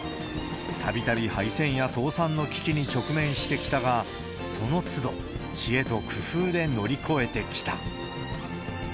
たびたび廃線や倒産の危機に直面してきたが、そのつど、知恵と工夫で乗り越えてきた。